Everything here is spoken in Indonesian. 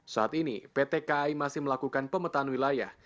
saat ini pt kai masih melakukan pemetaan wilayah